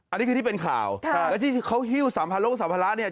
อันนี้คือที่เป็นข่าวแล้วที่เขาฮิ้วโรงสัมภาระ